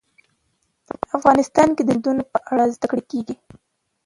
افغانستان کې د سیندونه په اړه زده کړه کېږي.